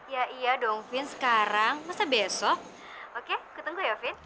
ya iya dong vin sekarang masa besok oke ketemu ya vin